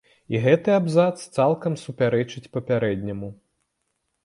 І гэты абзац цалкам супярэчыць папярэдняму.